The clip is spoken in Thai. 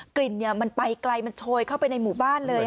กลิ่นมันไปไกลมันโชยเข้าไปในหมู่บ้านเลย